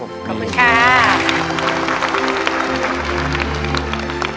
ขอบคุณค่ะ